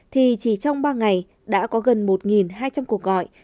thì chỉ trong ba ngày đã có gần một hai trăm linh cuộc gọi